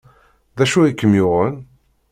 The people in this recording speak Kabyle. D acu ay kem-yuɣen?